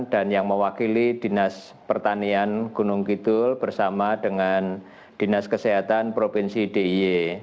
dan yang mewakili dinas pertanian gunung kitul bersama dengan dinas kesehatan provinsi diy